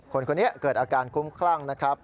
คนนี้เกิดอาการคุ้มคลั่งนะครับ